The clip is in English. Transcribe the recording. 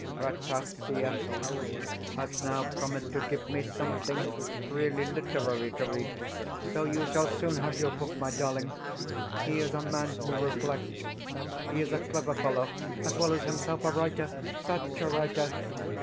Rataziaev has now promised to give me something really literary to read; so you shall soon have your book, my darling. He is a man who reflects; he is a clever fellow, as well as himself a writer such a writer!